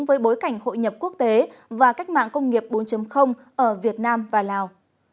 với bối cảnh hội nhập quốc tế và cách mạng công nghiệp bốn ở việt nam và lào